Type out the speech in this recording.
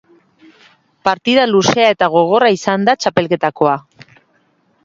Partida luzea eta gogorra izan da, txapelketakoa.